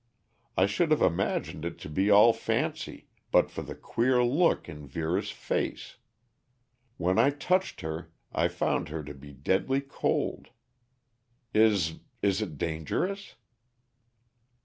I should have imagined it to be all fancy but for the queer look in Vera's face. When I touched her I found her to be deadly cold. Is is it dangerous?"